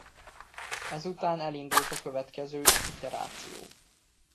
Ezután elindul a következő iteráció.